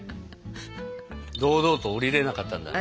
堂々と下りれなかったんだね。